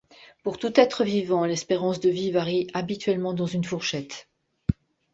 Pour tout être vivant l'espérance de vie varie habituellement dans une fourchette.